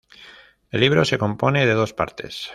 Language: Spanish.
El libro se compone de dos partes.